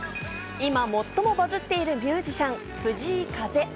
今、最もバズっているミュージシャン、藤井風。